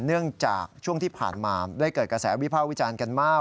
เนื่องจากช่วงที่ผ่านมาได้เกิดกระแสวิภาควิจารณ์กันมาก